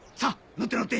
乗って乗って。